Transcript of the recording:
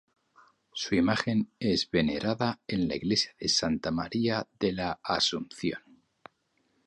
Su imagen es venerada en la Iglesia de Santa María de la Asunción.